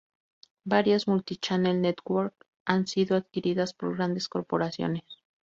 Varias multi-channel networks han sido adquiridas por grandes corporaciones.